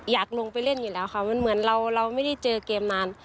อยากลงไปเล่นอยู่แล้วค่ะมันเหมือนเราเราไม่ได้เจอเกมนาน